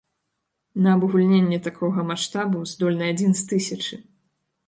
На абагульненне такога маштабу здольны адзін з тысячы.